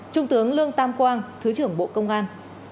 trung tướng lương tam quang thứ trưởng bộ công an